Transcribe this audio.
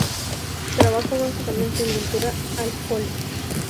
Trabajó básicamente en pintura al óleo.